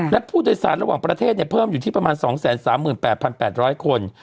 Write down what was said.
และผู้โดยสารระหว่างประเทศเพิ่มอยู่ที่ประมาณ๒๓๘๘๐๐คน